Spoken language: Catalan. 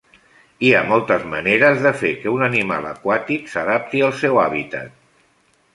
Hi ha moltes maneres de fer que un animal aquàtic s'adapti al seu hàbitat.